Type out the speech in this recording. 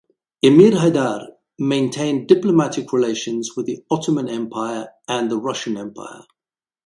Emir Haydar maintained diplomatic relations with the Ottoman Empire and the Russian Empire.